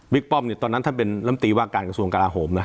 ป้อมเนี่ยตอนนั้นท่านเป็นลำตีว่าการกระทรวงกราโหมนะ